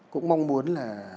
cũng mong muốn là